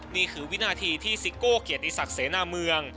นี่คือวินาทีที่ซิโก้เกียรติศักดิ์เสนาเมือง